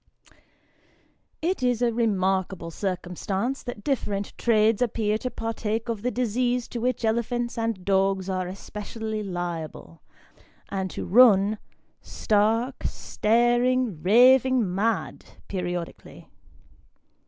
IT is a remarkable circumstance, that different trades appear to partake of the disease to which elephants and dogs are especially liable, and to run stark, staring, raving mad, periodically.